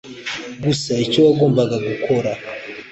gusa icyo wagombaga gukora.